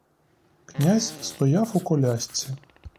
Князь стояв у колясці.